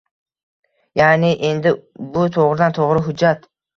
Ya'ni, endi bu to'g'ridan -to'g'ri hujjat